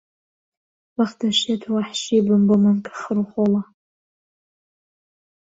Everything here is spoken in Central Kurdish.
وەختە شێت و وەحشی بم بەو مەمکە خڕ و خۆڵە